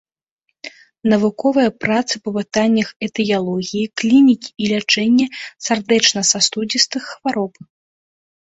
Навуковыя працы па пытаннях этыялогіі, клінікі і лячэння сардэчна-сасудзістых хвароб.